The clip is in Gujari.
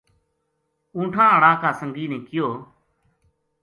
اونٹھاں ہاڑا کا سنگی نے کہیو